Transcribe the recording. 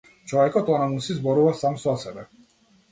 Човекот онаму си зборува сам со себе.